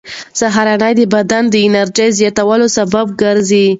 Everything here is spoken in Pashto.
سهارنۍ د بدن د انرژۍ زیاتوالي سبب ګرځي.